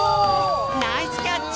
ナイスキャッチ！